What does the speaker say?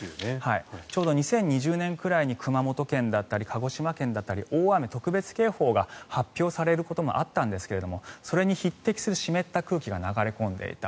ちょうど２０２０年くらいに熊本県だったり鹿児島県だったり大雨特別警報が発表されることもあったんですがそれに匹敵する湿った空気が流れ込んでいた。